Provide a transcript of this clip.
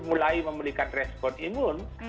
mulai memiliki respon imun